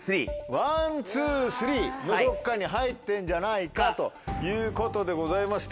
ワンツースリーのどっかに入ってんじゃないかということでございまして。